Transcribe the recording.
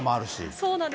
そうなんです。